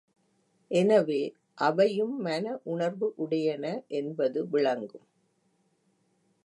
எனவே, அவையும் மன உணர்வு உடையன என்பது விளங்கும்.